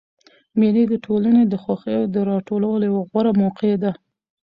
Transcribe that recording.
مېلې د ټولني د خوښیو د راټولولو یوه غوره موقع ده.